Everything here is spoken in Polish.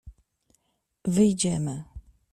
— Wyjdziemy.